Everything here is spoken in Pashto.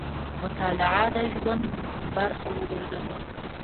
مطالعه د ژوند برخه وګرځوو.